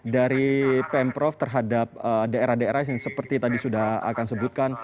jadi pm prof terhadap daerah daerah yang seperti tadi sudah akan sebutkan